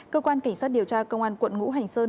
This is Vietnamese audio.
cơ quan cảnh sát điều tra công an quận ngũ hành sơn